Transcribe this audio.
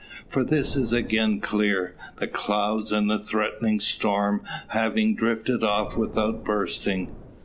For this is again clear, the clouds and threatening storm having drifted off without bursting.